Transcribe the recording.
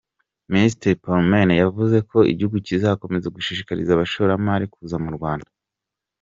Minisitiri Ploumen yavuze ko igihugu kizakomeza gushikariza abashoramali kuza mu Rwanda.